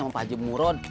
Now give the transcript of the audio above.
saya mau pak haji murut